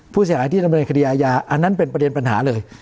ผู้เสียหายที่ดำเนินคดีอาญาอันนั้นเป็นประเด็นปัญหาเลย